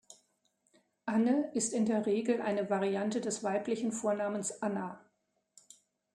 Anne ist in der Regel eine Variante des weiblichen Vornamens Anna.